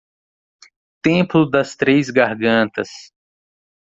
Templo das Três Gargantas